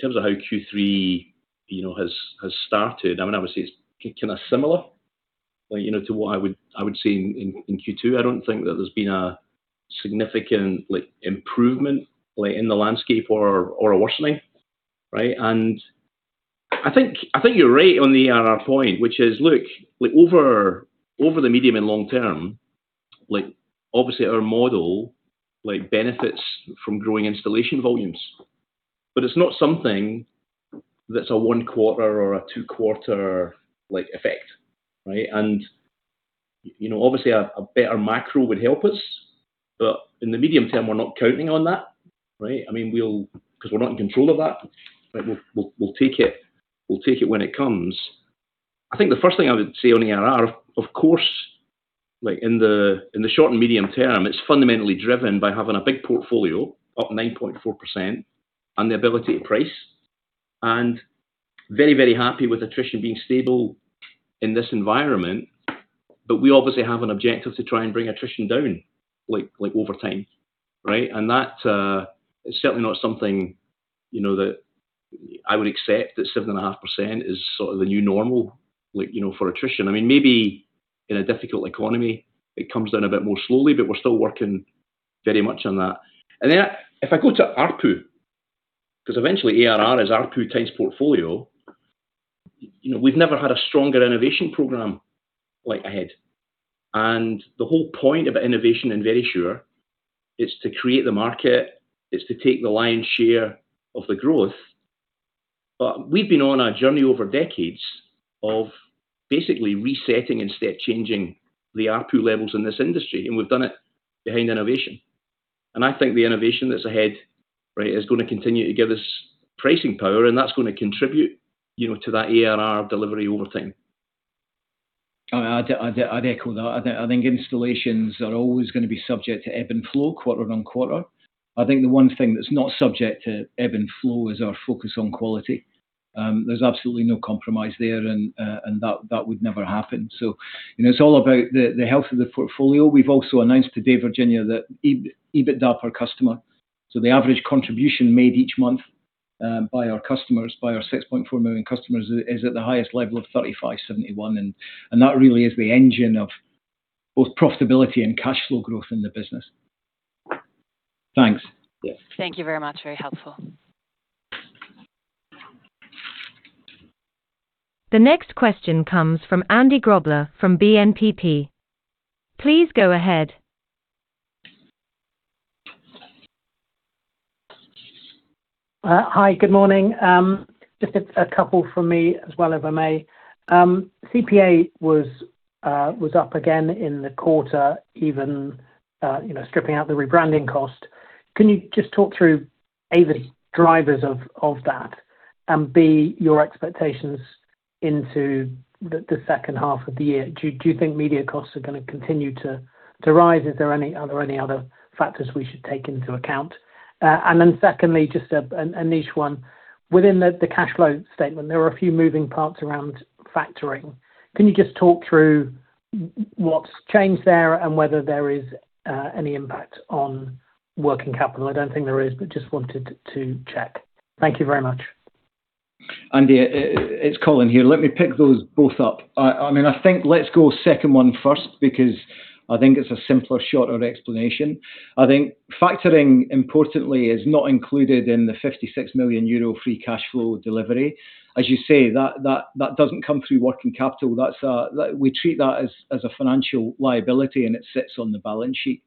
terms of how Q3 has started, obviously it's kind of similar to what I would say in Q2. I don't think that there's been a significant improvement in the landscape or a worsening. I think you're right on the ARR point, which is look, over the medium and long term, obviously our model benefits from growing installation volumes. It's not something that's a one quarter or a two quarter effect. Right? Obviously a better macro would help us. In the medium term, we're not counting on that because we're not in control of that. We'll take it when it comes. I think the first thing I would say on ARR, of course, in the short and medium term, it's fundamentally driven by having a big portfolio up 9.4% and the ability to price and very happy with attrition being stable in this environment. We obviously have an objective to try and bring attrition down over time. Right? That is certainly not something that I would accept that 7.5% is sort of the new normal for attrition. Maybe in a difficult economy it comes down a bit more slowly, but we're still working very much on that. If I go to ARPU, because eventually ARR is ARPU times portfolio, we've never had a stronger innovation program ahead. The whole point about innovation in Verisure is to create the market, is to take the lion's share of the growth. We've been on a journey over decades of basically resetting and step changing the ARPU levels in this industry, and we've done it behind innovation. I think the innovation that's ahead is going to continue to give us pricing power, and that's going to contribute to that ARR delivery over time. I'd echo that. I think installations are always going to be subject to ebb and flow quarter-on-quarter. I think the one thing that's not subject to ebb and flow is our focus on quality. There's absolutely no compromise there, and that would never happen. It's all about the health of the portfolio. We've also announced today, Virginia, that EBITDA per customer, so the average contribution made each month by our 6.4 million customers is at the highest level of 35.71. That really is the engine of both profitability and cash flow growth in the business. Thanks. Thank you very much. Very helpful. The next question comes from Andy Grobler from BNPP. Please go ahead. Hi. Good morning. Just a couple from me as well, if I may. CPA was up again in the quarter, even stripping out the rebranding cost. Can you just talk through, A, the drivers of that, and B, your expectations into the second half of the year? Do you think media costs are going to continue to rise? Are there any other factors we should take into account? Secondly, just a niche one. Within the cash flow statement, there are a few moving parts around factoring. Can you just talk through what's changed there and whether there is any impact on working capital? I don't think there is, but just wanted to check. Thank you very much. Andy, it's Colin here. Let me pick those both up. I think let's go second one first because I think it's a simpler, shorter explanation. I think factoring importantly is not included in the 56 million euro free cash flow delivery. As you say, that doesn't come through working capital. We treat that as a financial liability, and it sits on the balance sheet.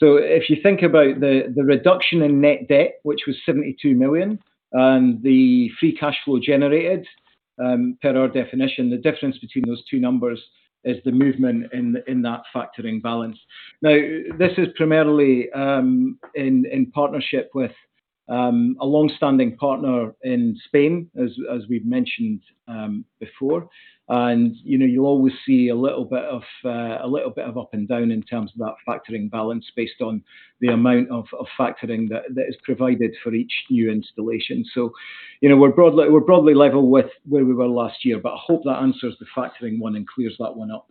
If you think about the reduction in net debt, which was 72 million, and the free cash flow generated per our definition, the difference between those two numbers is the movement in that factoring balance. This is primarily in partnership with a long-standing partner in Spain, as we've mentioned before. You always see a little bit of up and down in terms of that factoring balance based on the amount of factoring that is provided for each new installation. We're broadly level with where we were last year, but I hope that answers the factoring one and clears that one up.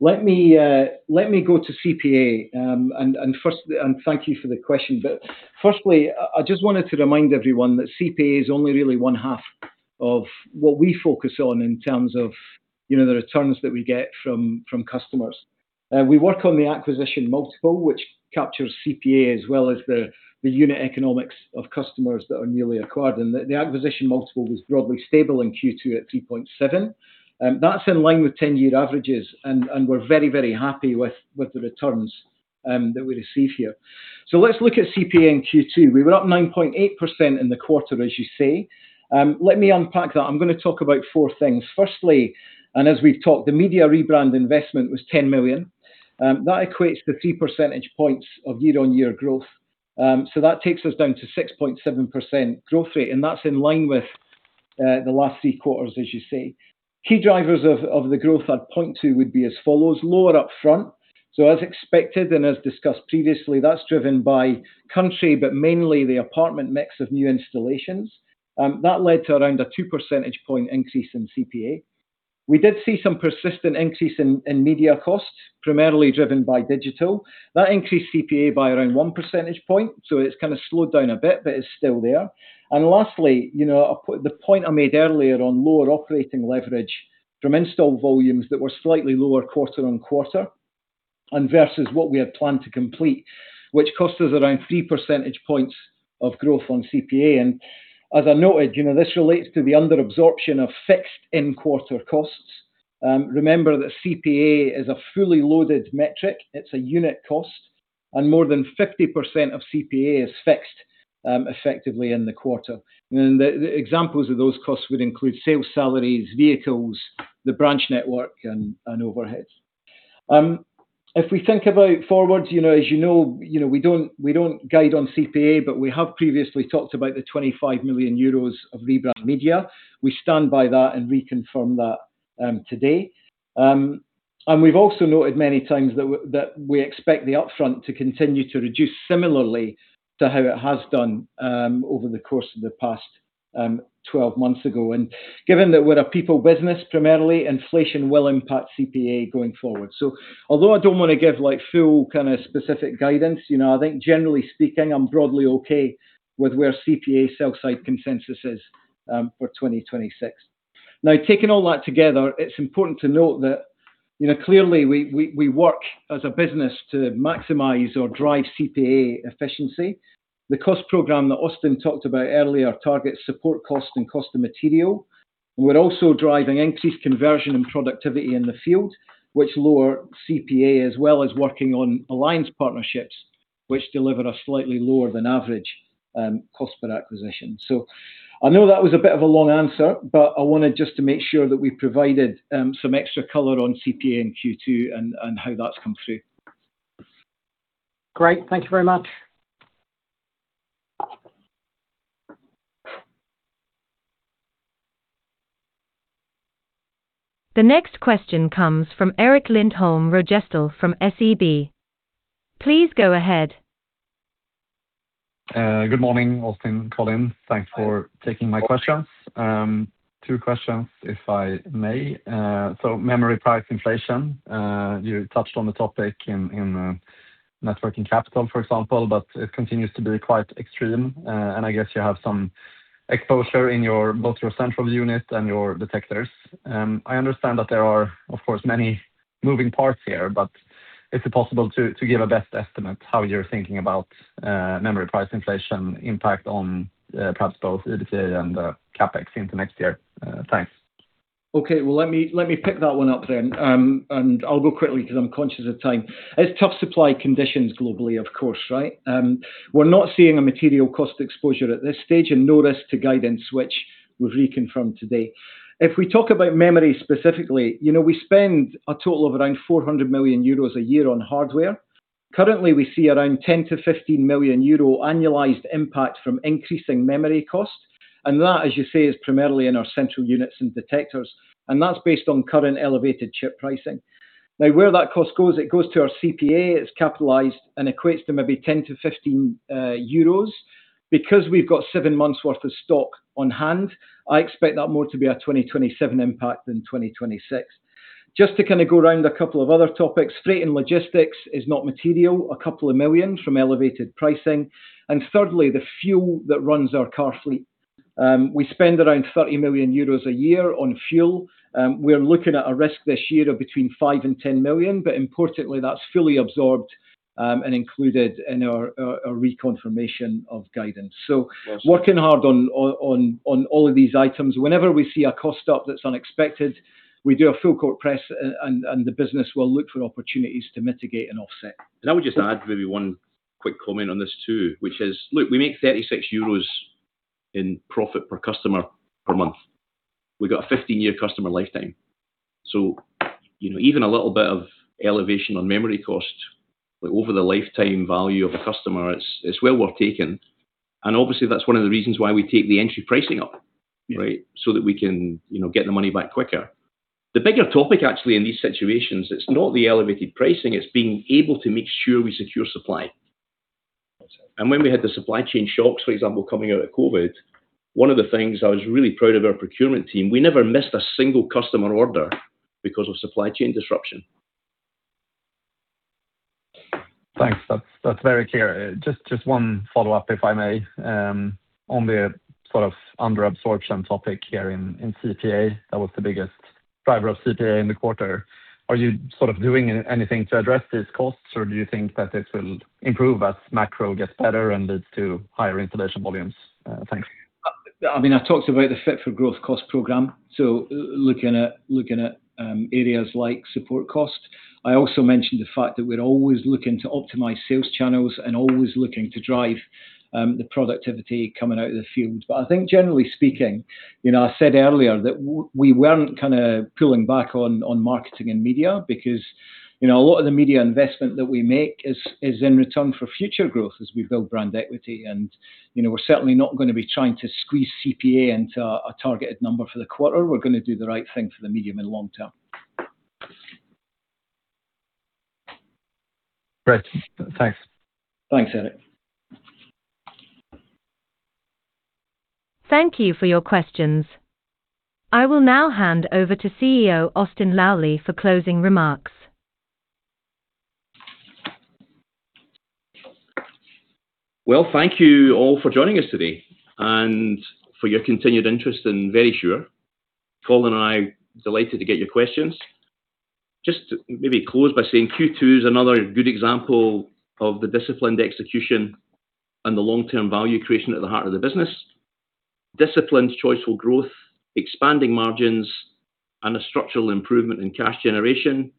Let me go to CPA. Thank you for the question. Firstly, I just wanted to remind everyone that CPA is only really one half of what we focus on in terms of the returns that we get from customers. We work on the acquisition multiple, which captures CPA as well as the unit economics of customers that are newly acquired. The acquisition multiple was broadly stable in Q2 at 3.7x. That's in line with 10-year averages. We're very happy with the returns that we receive here. Let's look at CPA in Q2. We were up 9.8% in the quarter, as you say. Let me unpack that. I'm going to talk about four things. Firstly, as we've talked, the media rebrand investment was 10 million. That equates to three percentage points of year-on-year growth. That takes us down to 6.7% growth rate. That's in line with the last three quarters, as you say. Key drivers of the growth I'd point to would be as follows. Lower upfront. As expected, and as discussed previously, that's driven by country, but mainly the apartment mix of new installations. That led to around a 2 percentage point increase in CPA. We did see some persistent increase in media costs, primarily driven by digital. That increased CPA by around 1 percentage point. It's kind of slowed down a bit, but it's still there. Lastly, the point I made earlier on lower operating leverage from install volumes that were slightly lower quarter-on-quarter and versus what we had planned to complete, which cost us around 3 percentage points of growth on CPA. As I noted, this relates to the under absorption of fixed in-quarter costs. Remember that CPA is a fully loaded metric. It's a unit cost, and more than 50% of CPA is fixed effectively in the quarter. The examples of those costs would include sales salaries, vehicles, the branch network, and overheads. If we think about forwards, as you know, we don't guide on CPA, but we have previously talked about the 25 million euros of rebrand media. We stand by that and reconfirm that today. We've also noted many times that we expect the upfront to continue to reduce similarly to how it has done over the course of the past 12 months ago. Given that we're a people business primarily, inflation will impact CPA going forward. Although I don't want to give full kind of specific guidance, I think generally speaking, I'm broadly okay with where CPA sell side consensus is for 2026. Taking all that together, it's important to note that clearly we work as a business to maximize or drive CPA efficiency. The cost program that Austin talked about earlier targets support cost and cost of material. We're also driving increased conversion and productivity in the field, which lower CPA, as well as working on alliance partnerships, which deliver a slightly lower than average cost per acquisition. I know that was a bit of a long answer, but I wanted just to make sure that we provided some extra color on CPA in Q2 and how that's come through. Great. Thank you very much. The next question comes from Erik Lindholm-Röjestål from SEB. Please go ahead. Good morning, Austin, Colin. Thanks for taking my questions. Two questions, if I may. Memory price inflation, you touched on the topic in networking capital, for example, but it continues to be quite extreme. I guess you have some exposure in both your central unit and your detectors. I understand that there are, of course, many moving parts here, but is it possible to give a best estimate how you are thinking about memory price inflation impact on perhaps both EBITDA and the CapEx into next year? Thanks. Let me pick that one up then, I will go quickly because I am conscious of time. It is tough supply conditions globally, of course, right? We are not seeing a material cost exposure at this stage and no risk to guidance, which we have reconfirmed today. If we talk about memory specifically, we spend a total of around 400 million euros a year on hardware. Currently, we see around 10 million-15 million euro annualized impact from increasing memory costs. That, as you say, is primarily in our central units and detectors, and that is based on current elevated chip pricing. Now, where that cost goes, it goes to our CPA, it is capitalized and equates to maybe 10 million-15 million euros. Because we have got seven months' worth of stock on hand, I expect that more to be a 2027 impact than 2026. Just to kind of go around a couple of other topics. Freight and logistics is not material, a couple of million from elevated pricing. Thirdly, the fuel that runs our car fleet. We spend around 30 million euros a year on fuel. We are looking at a risk this year of between 5 million and 10 million, but importantly, that is fully absorbed and included in our reconfirmation of guidance. Working hard on all of these items. Whenever we see a cost up that is unexpected, we do a full court press, and the business will look for opportunities to mitigate and offset. I would just add maybe one quick comment on this, too, which is, look, we make 36 euros in profit per customer per month. We got a 15-year customer lifetime. Even a little bit of elevation on memory cost over the lifetime value of a customer, it is well worth taking. Obviously, that is one of the reasons why we take the entry pricing up, right? That we can get the money back quicker. The bigger topic actually in these situations, it is not the elevated pricing, it is being able to make sure we secure supply. That is it. When we had the supply chain shocks, for example, coming out of COVID, one of the things I was really proud of our procurement team, we never missed a single customer order because of supply chain disruption. Thanks. That is very clear. Just one follow-up, if I may. On the sort of under absorption topic here in CPA, that was the biggest driver of CPA in the quarter. Are you sort of doing anything to address these costs, or do you think that it will improve as macro gets better and leads to higher installation volumes? Thanks. I mean, I talked about the Fit for Growth cost program, looking at areas like support cost. I also mentioned the fact that we're always looking to optimize sales channels and always looking to drive the productivity coming out of the field. I think generally speaking, I said earlier that we weren't kind of pulling back on marketing and media because a lot of the media investment that we make is in return for future growth as we build brand equity. We're certainly not going to be trying to squeeze CPA into a targeted number for the quarter. We're going to do the right thing for the medium and long term. Great. Thanks. Thanks, Erik. Thank you for your questions. I will now hand over to CEO Austin Lally for closing remarks. Well, thank you all for joining us today and for your continued interest in Verisure. Colin and I are delighted to get your questions. Just to maybe close by saying Q2 is another good example of the disciplined execution and the long-term value creation at the heart of the business. Disciplined, choiceful growth, expanding margins, and a structural improvement in cash generation.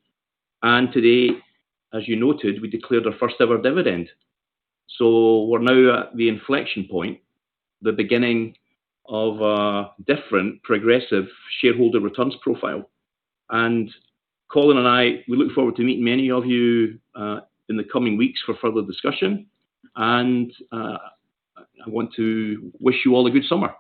Today, as you noted, we declared our first-ever dividend. We're now at the inflection point; the beginning of a different progressive shareholder returns profile. Colin and I, we look forward to meeting many of you in the coming weeks for further discussion. I want to wish you all a good summer